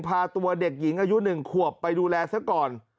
พาตัวเด็กหญิงอายุ๑ขวบไปดูแลซะก่อน